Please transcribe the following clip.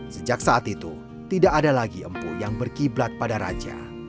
sejak saat itu tidak ada lagi empu yang berkiblat pada raja